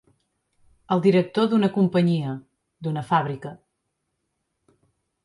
El director d'una companyia, d'una fàbrica.